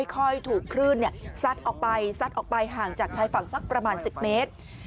ค่อยถูกคลื่นซัดออกไปซัดออกไปห่างจากชายฝั่งสักประมาณ๑๐เมตร